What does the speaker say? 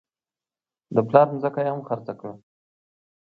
د پلار ځمکه یې هم خرڅه کړه.